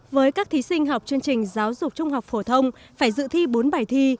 với các thí sinh học chương trình giáo dục trung học phổ thông phải dự thi bốn bài thi